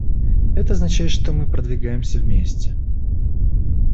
Это означает, что мы продвигаемся вместе.